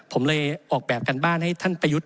ผมเลยออกแบบการบ้านให้ท่านประยุทธ์